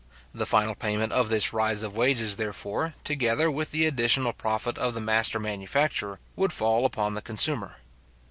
The final payment of this rise of wages, therefore, together with the additional profit of the master manufacturer would fall upon the consumer.